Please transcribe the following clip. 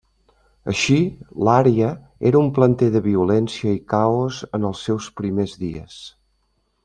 Així, l'àrea era un planter de violència i caos en els seus primers dies.